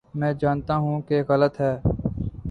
میں جانتا ہوں کہ غلط ہے۔